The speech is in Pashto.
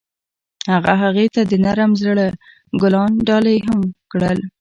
هغه هغې ته د نرم زړه ګلان ډالۍ هم کړل.